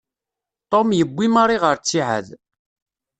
Ṭum yewwi Mari ɣer ttiɛad.